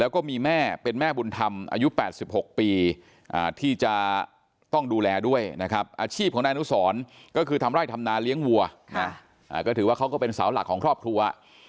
ก็ถือว่าเขาก็เป็นสาวหลักของครอบครัว